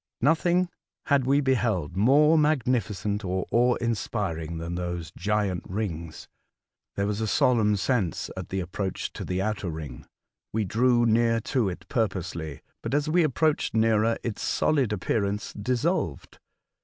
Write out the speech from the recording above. Nothing had we beheld more magnificent or awe inspiring than those gigantic rings. There was a solemn sense at the approach to the outer ring. We drew near to it purposely, but as we approached nearer its solid appearance dissolved.